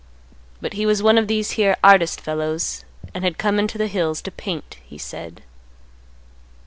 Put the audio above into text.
But he was one of these here artist fellows and had come into the hills to paint, he said."